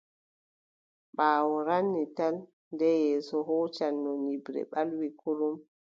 Ɓaawo ranwi tal nde yeeso huucanno nyiɓre ɓalwi kurum.